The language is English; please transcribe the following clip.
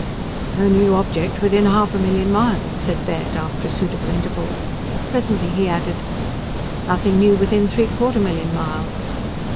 "No new object within half a million miles," said Baird, after a suitable interval. Presently he added: "Nothing new within three quarter million miles."